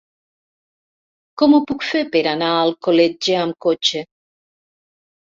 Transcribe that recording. Com ho puc fer per anar a Alcoletge amb cotxe?